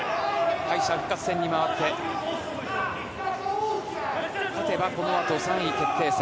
敗者復活戦に回って勝てばこのあと３位決定戦。